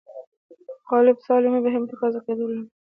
غالب اسلامي بهیر متناقضه ګډوله ده.